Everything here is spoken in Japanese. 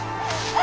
あ！